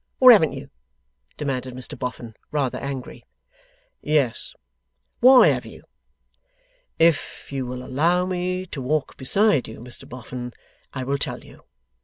Or haven't you?' demanded Mr Boffin, rather angry. 'Yes.' 'Why have you?' 'If you will allow me to walk beside you, Mr Boffin, I will tell you.